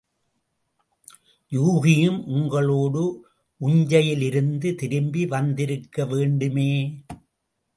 யூகியும் உங்களோடு உஞ்சையிலிருந்து திரும்பி வந்திருக்க வேண்டுமே?